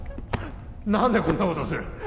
何でこんなことをする？